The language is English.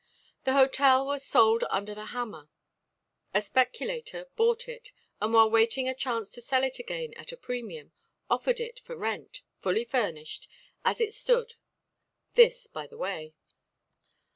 The hôtel was sold under the hammer. A speculator bought it and while waiting a chance to sell it again at a premium, offered it for rent, fully furnished, as it stood. This by the way.